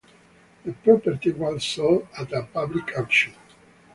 The property was sold at a public auction.